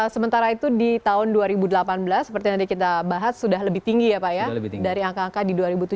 sementara itu di tahun dua ribu delapan belas seperti yang tadi kita bahas sudah lebih tinggi ya pak ya dari angka angka di dua ribu tujuh belas